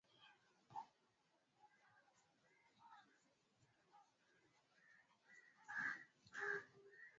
Engaruka Tarangire Manyara Ziwa Natron au Flamingo